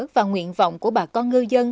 và nguyện vọng của bà con ngư dân